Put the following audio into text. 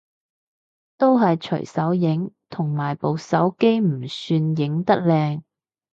都係隨手影，同埋部手機唔算影得靚